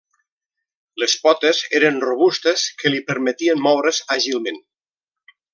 Les potes eren robustes que li permetien moure's àgilment.